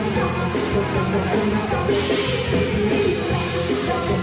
สวัสดีครับ